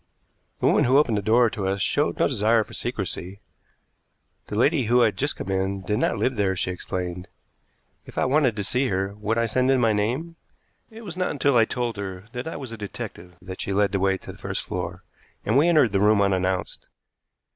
The woman who opened the door to us showed no desire for secrecy. The lady who had just come in did not live there, she explained. If I wanted to see her, would I send in my name? It was not until I told her that I was a detective that she led the way to the first floor, and we entered the room unannounced.